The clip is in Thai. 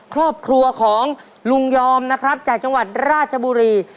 ครอบครัวของลุงยอมนะครับจากจังหวัดราชบุรี